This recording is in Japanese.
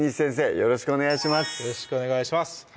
よろしくお願いします